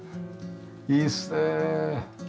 いいですね。